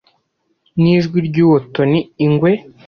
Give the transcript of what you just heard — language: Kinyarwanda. nijwi ryuwo Tony Ingwe